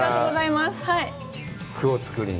また句を作りに。